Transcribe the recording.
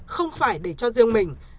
không phải để cho riêng mình